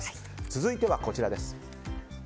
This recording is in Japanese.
続いてはこちらです。